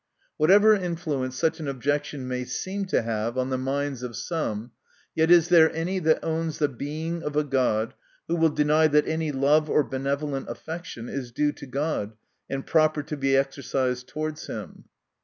] Whatever influence such an objection may seem to have on the minds of some, yet is there any that owns the Being of a God, who will deny that any love or benevolent affection, is due to God, and proper to be exercised towards him